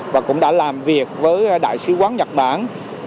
và cũng đã làm việc với đại sứ quán nhật bản